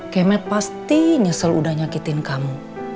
kemet pasti nyesel udah nyakitin kamu